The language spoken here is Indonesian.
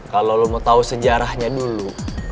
kalau lo mau tahu sejarahnya dulu